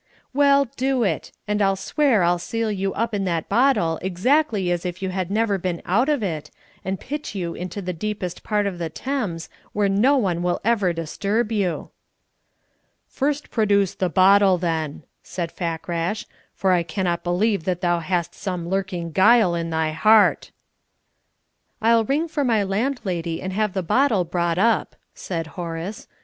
"Well, do it and I'll swear to seal you up in the bottle exactly as if you had never been out of it, and pitch you into the deepest part of the Thames, where no one will ever disturb you." "First produce the bottle, then," said Fakrash, "for I cannot believe but that thou hast some lurking guile in thy heart." "I'll ring for my landlady and have the bottle brought up," said Horace.